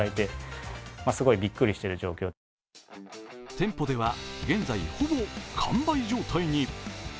店舗では現在、ほぼ完売状態に。